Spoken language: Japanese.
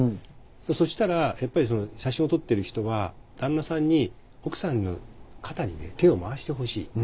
そしたらやっぱり写真を撮ってる人は旦那さんに奥さんの肩に手を回してほしいって。